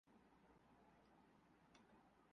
چولہے ایسے ہی ہوتے ہوں